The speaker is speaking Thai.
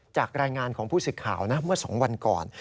จากรายงานของผู้สื่อข่าวนะเมื่อ๒วันก่อน